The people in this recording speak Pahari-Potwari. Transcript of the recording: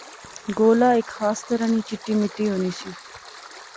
گولا ہیک خاص طرح نی چٹی مٹی ہونی سی